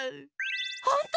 ほんと？